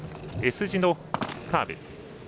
Ｓ字のカーブ。